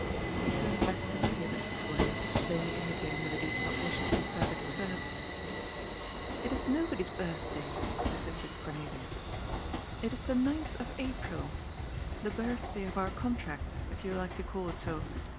He turned back to the papers before him, plainly indicating that he did not wish to be further disturbed. "It is nobody's birthday," persisted Cornelia. "It is the ninth of April. The birthday of our contract, if you like to call it so.